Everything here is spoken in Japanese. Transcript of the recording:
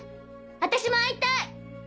私も会いたい。